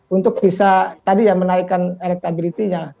untuk bisa tadi ya menaikkan elektabilitasnya